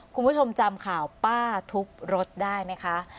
คุณผู้ชมจำข่าวป้าทุบรถได้ไหมคะ